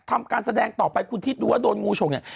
ทำการแสดงต่อไปคุณคิดดูว่าโดนงูฉกเนี่ย